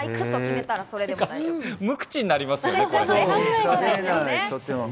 無口になりますね。